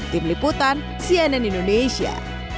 tim liputan cnn indonesia